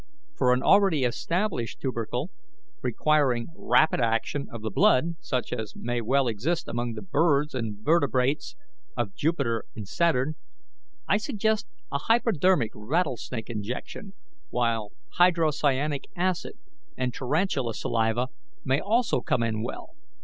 For an already established tubercle requiring rapid action of the blood, such as may well exist among the birds and vertebrates of Jupiter and Saturn, I suggest a hypodermic rattlesnake injection, while hydrocyanic acid and tarantula saliva may also come in well.